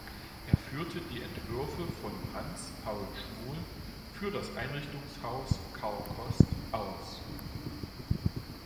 Er führte die Entwürfe von Hans Paul Schmohl für das Einrichtungshaus Karl Kost aus.